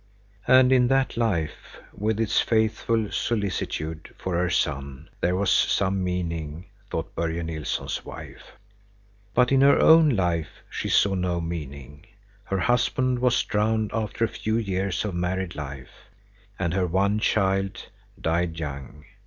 And in that life, with its faithful solicitude for her son, there was some meaning, thought Börje Nilsson's wife. But in her own life she saw no meaning. Her husband was drowned after a few years of married life, and her one child died young.